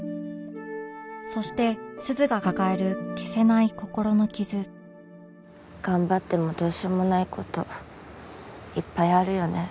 そして鈴が抱える消せない心の傷頑張ってもどうしようもない事いっぱいあるよね。